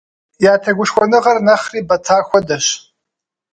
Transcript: Я тегушхуэныгъэр нэхъри бэта хуэдэщ.